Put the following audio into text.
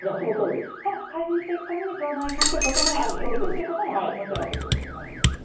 ただ改善していくために腸内環境を整えていくということ大事だと思います。